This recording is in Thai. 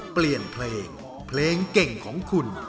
เปลี่ยนเพลงเพลงเก่งของคุณ